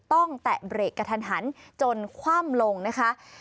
ต้องแตะเบรกกระทันจนคว่ำลงนะคะ